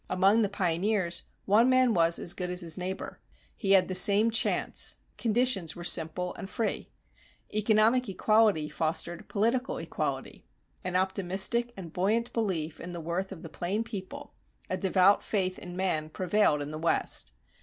Among the pioneers one man was as good as his neighbor. He had the same chance; conditions were simple and free. Economic equality fostered political equality. An optimistic and buoyant belief in the worth of the plain people, a devout faith in man prevailed in the West.